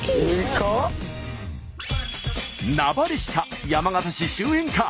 名張市か山形市周辺か。